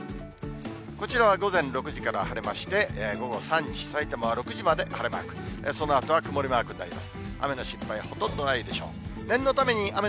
こちらは午前６時から晴れまして、午後３時、さいたまは６時まで晴れマーク、そのあとは曇りマークになります。